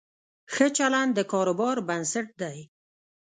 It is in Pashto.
ښه چلند د کاروبار بنسټ دی.